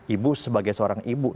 ibu sebagai seorang ibu